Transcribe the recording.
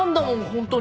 本当に。